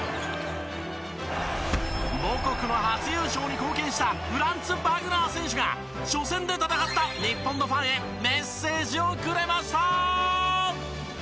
母国の初優勝に貢献したフランツ・バグナー選手が初戦で戦った日本のファンへメッセージをくれました！